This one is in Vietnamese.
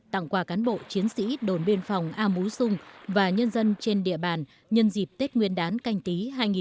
tặng quà cán bộ chiến sĩ đồn biên phòng a mú xung và nhân dân trên địa bàn nhân dịp tết nguyên đán canh tí hai nghìn hai mươi